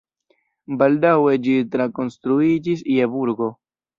Baldaŭe ĝi trakonstruiĝis je burgo.